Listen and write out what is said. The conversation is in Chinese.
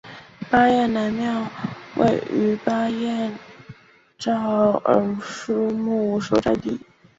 巴彦乃庙位于巴彦淖尔苏木所在地。